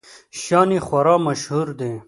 شیان یې خورا مشهور دي.